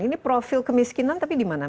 ini profil kemiskinan tapi dimana